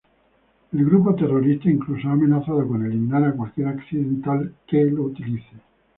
El grupo terrorista, incluso, ha amenazado con eliminar a cualquier occidental que lo utilice.